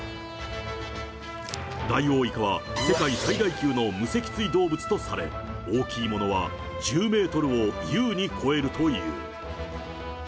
ダイオウイカは世界最大級の無脊椎動物とされ、大きいものは１０メートルを優に超えるという。